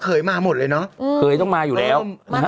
เขยมาหมดเลยเนอะมาทั้งบ้านอะค่ะเขยต้องมาอยู่แล้ว